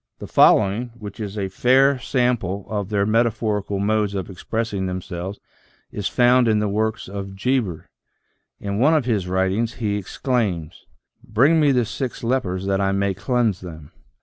The following, which is a fair sample of their metaphorical modes of expressing them selves, is found in the works of Geber. In one of his writ ings, he exclaims :" Bring me the six lepers that I may cleanse them."